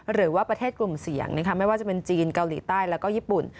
หรือว่าประเทศกลุ่มเสี่ยงนะคะไม่ว่าจะเป็นจีนเกาหลีใต้แล้วก็ญี่ปุ่น